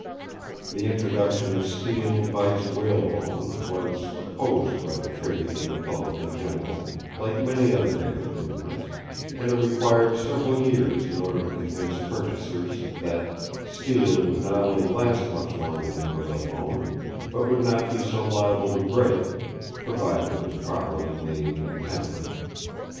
The introduction of steel vice whalebone, was opposed by the trade and the public in general, like many other great improvements; and it required several years in order to convince purchasers that steel would not only last much longer than whalebone, but would not be so liable to break, provided it was properly made and tempered.